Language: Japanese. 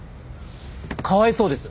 かわいそうです。